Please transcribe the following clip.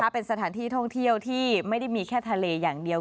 เป็นสถานที่ท่องเที่ยวที่ไม่ได้มีแค่ทะเลอย่างเดียว